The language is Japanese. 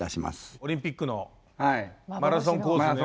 オリンピックのマラソンコースのやつとかね。